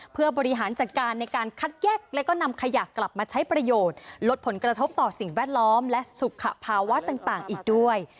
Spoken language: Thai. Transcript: เพื่อบริหารจัดการในการคัดแยกและก็นำขยะกลับมาใช้ประโยชน์ลดผลกระทบต่อสิ่งแวดล้อมและสุขภาวะต่างอีกด้วย